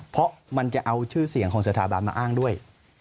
เพราะมันจะเอาชื่อเสียงของสถาบันมาอ้างด้วย